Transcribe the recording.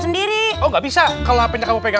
eh nggak boleh kayak gitu